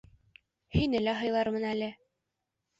Һине лә һыйлармын әле...